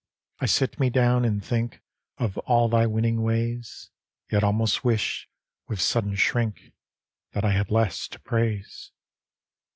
I sit me down, and think Of all thy winning ways ; Yet almost wish, with sudden shrink. That I had less to praise.